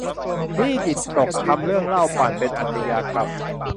นี่จิตตก ทำเรื่องเหล้าปั่นเป็นอาชญากรรม